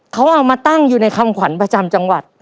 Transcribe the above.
เขาเอามาตั้งอยู่ในคำขวัญประจำจังหวัด